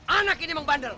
anak ini membander